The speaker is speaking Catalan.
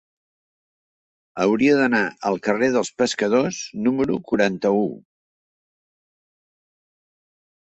Hauria d'anar al carrer dels Pescadors número quaranta-u.